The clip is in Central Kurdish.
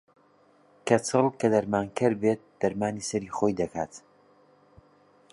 کەچەڵ کە دەرمانکەر بێت دەرمانی سەری خۆی ئەکات